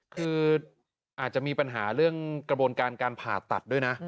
คืออาจจะมีปัญหาเรื่องกระบวนการการผ่าตัดด้วยนะ